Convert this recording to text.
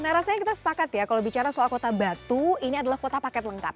nah rasanya kita sepakat ya kalau bicara soal kota batu ini adalah kota paket lengkap